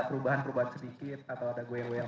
perubahan perubahan sedikit atau ada goyang goyang